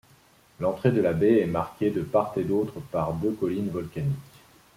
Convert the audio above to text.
L'entrée de la baie est marquée de part et d'autre par deux collines volcaniques.